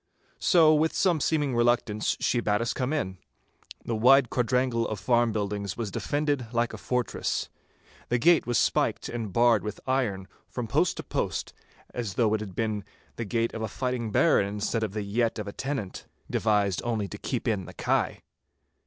So with some seeming reluctance she bade us come in. The wide quadrangle of the farm buildings was defended like a fortress. The gate was spiked and barred with iron from post to post, as though it had been the gate of a fighting baron instead of the yett of a tenant, devised only to keep in the kye.